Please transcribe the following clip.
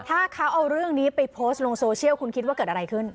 ถ้าเขาเอาเรื่องนี้ไปโพสต์ลงโซเชียลคุณคิดว่าเกิดอะไรขึ้น